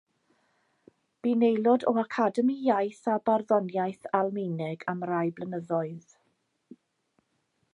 Bu'n aelod o Academi Iaith a Barddoniaeth Almaeneg am rai blynyddoedd.